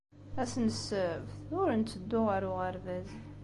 Ass n ssebt, ur netteddu ɣer uɣerbaz.